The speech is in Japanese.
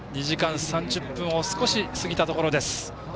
２時間３０分を少し過ぎたところです。